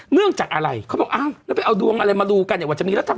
เนื่องจากอะไรเค้าบอกเอาดวงอะไรมาดูกันว่าจังมีรัฐผ่าน